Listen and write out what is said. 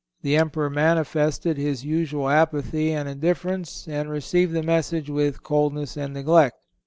The Emperor manifested his usual apathy and indifference and received the message with coldness and neglect.